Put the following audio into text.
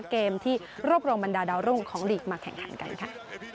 เกมที่รวบรวมบรรดาดาวรุ่งของลีกมาแข่งขันกันค่ะ